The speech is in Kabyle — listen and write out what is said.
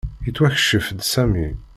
Yettwakcef-d Sami.